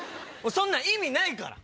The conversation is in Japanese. そんなん意味ないから。